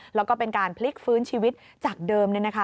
แล้วก็เป็นการพลิกฟื้นชีวิตจากเดิมเนี่ยนะคะ